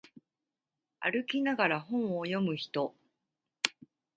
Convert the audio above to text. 歩きながら本を読む人